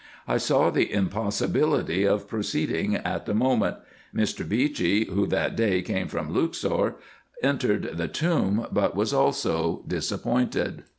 I saw the impossibility of proceeding at the moment. Mr. Beechey, who that day came from Luxor, entered the tomb, but was also disappointed.